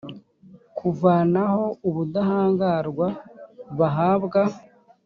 kuvanaho ubudahangarwa bahabwa